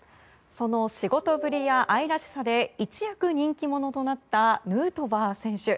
その仕事ぶりや愛らしさで一躍人気者となったヌートバー選手。